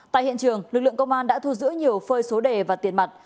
tại hiện trường lực lượng công an đã thu giữ nhiều phơi số đề và tiền mặt